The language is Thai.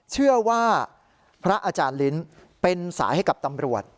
เชื่อว่าพระอาจารย์ลิ้นเป็นสายให้กับตำรวจ